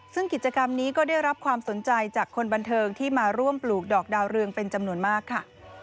ซึ่งกิจกรรมนี้ก็ได้รับความสนใจจากคนบันเทิงที่มาร่วมปลูกดอกดาวเรืองเป็นจำนวนมากค่ะ